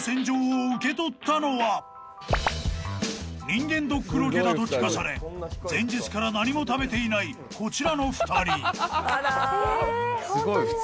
［人間ドックロケだと聞かされ前日から何も食べていないこちらの２人］